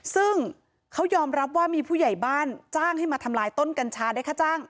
ซึ่งเขายอมรับว่ามีผู้ใหญ่บ้านจ้างให้มาทำลายต้นกัญชาได้ค่าจ้าง